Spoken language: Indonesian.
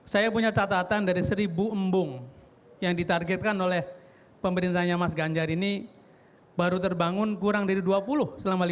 saya punya catatan dari seribu embung yang ditargetkan oleh pemerintahnya mas ganjar ini baru terbangun kurang dari dua puluh selama lima tahun